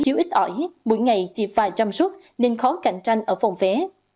chiếu ít ỏi mỗi ngày chỉ vài trăm xuất nên khó cạnh tranh ở phòng vé